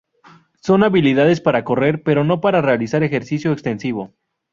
Son hábiles para correr, pero no para realizar ejercicio extensivo.